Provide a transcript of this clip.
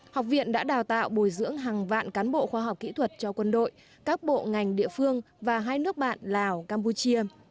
học viện đã đào tạo bồi dưỡng hàng vạn cán bộ khoa học kỹ thuật cho quân đội các bộ ngành địa phương và hai nước bạn lào campuchia